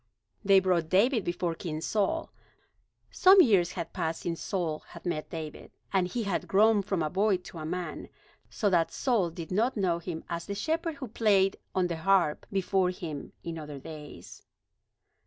They brought David before King Saul. Some years had passed since Saul had met David, and he had grown from a boy to a man, so that Saul did not know him as the shepherd who had played on the harp before him in other days.